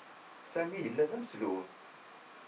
Sami yella d ameslub.